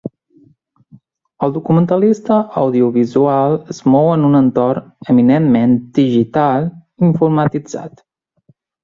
El documentalista audiovisual es mou en un entorn eminentment digital i informatitzat.